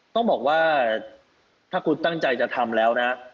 ต้องบอกว่าถ้าคุณตั้งใจจะทำแล้วนะ